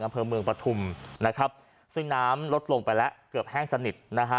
อำเภอเมืองปฐุมนะครับซึ่งน้ำลดลงไปแล้วเกือบแห้งสนิทนะฮะ